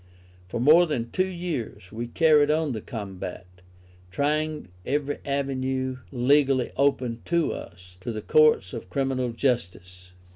For more than two years we carried on the combat, trying every avenue legally open to us, to the Courts of Criminal Justice.